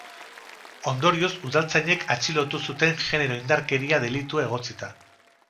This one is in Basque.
Ondorioz, udaltzainek atxilotu zuten genero indarkeria delitua egotzita.